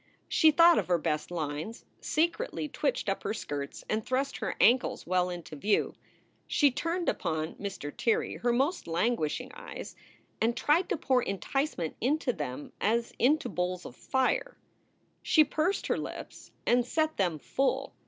She thought of her best lines; secretly twitched up her skirts and thrust her ankles well into view. She turned upon Mr. Tirrey her most languishing eyes, and tried to pour enticement into them as into bowls of fire. She pursed her lips and set them full.